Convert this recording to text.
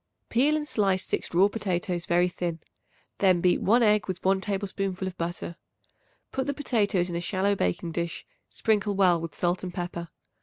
Peel and slice 6 raw potatoes very thin; then beat 1 egg with 1 tablespoonful of butter. Put the potatoes into a shallow baking dish, sprinkle well with salt and pepper.